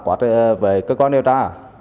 quá trời về cơ quan điều tra